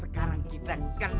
sekarang kita kan nabah dunia nih